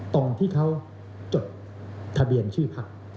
ตรงที่เขาจดทะเบียนชื่อพัก